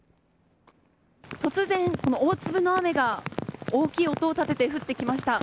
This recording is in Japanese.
突然、大粒の雨が大きい音を立てて降ってきました。